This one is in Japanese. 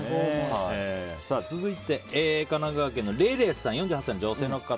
続いて神奈川県、４８歳女性の方。